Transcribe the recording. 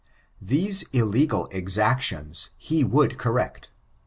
These illegal exactions he would correct.